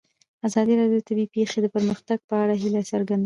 ازادي راډیو د طبیعي پېښې د پرمختګ په اړه هیله څرګنده کړې.